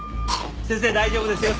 先生大丈夫ですよ。